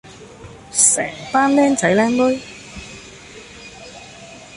成班 𡃁 仔 𡃁 妹